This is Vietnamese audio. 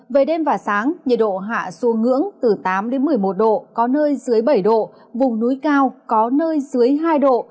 về đêm và sáng nhiệt độ hạ xuống ngưỡng từ tám đến một mươi một độ có nơi dưới bảy độ vùng núi cao có nơi dưới hai độ